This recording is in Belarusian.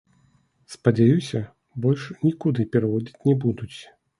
Спадзяюся, больш нікуды пераводзіць не будуць.